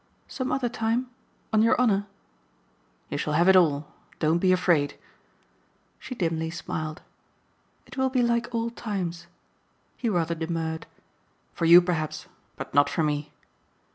"Some other time? on your honour?" "You shall have it all. Don't be afraid." She dimly smiled. "It will be like old times." He rather demurred. "For you perhaps. But not for me."